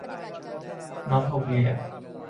น็อตหกเหลี่ยม